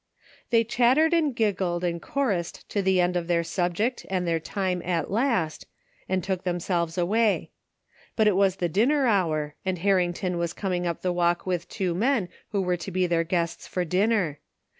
They chattered and giggled and chorused to the end of their subject and their time at last, and took themselves away; but it was the dinner hour and Harrington was coming up the walk with two men who were to be their guests for dinner.